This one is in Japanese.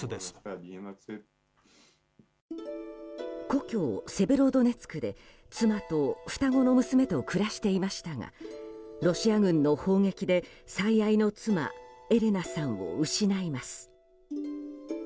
故郷セベロドネツクで妻と、双子の娘と暮らしていましたがロシア軍の砲撃で最愛の妻エレナさんを失います。